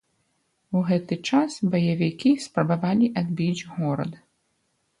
У гэты час баевікі спрабавалі адбіць горад.